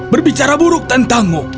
berbicara buruk tentangmu